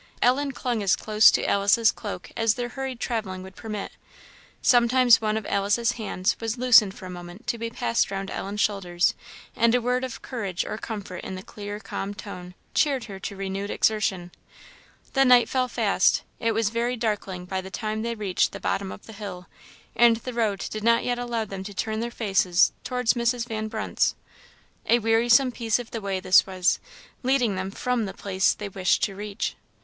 Ellen clung as close to Alice's cloak as their hurried travelling would permit; sometimes one of Alice's hands was loosened for a moment to be passed round Ellen's shoulders, and a word of courage or comfort in the clear calm tone, cheered her to renewed exertion. The night fell fast; it was very darkling by the time they reached the bottom of the hill, and the road did not yet allow them to turn their faces towards Mrs. Van Brunt's. A wearisome piece of the way this was, leading them from the place they wished to reach.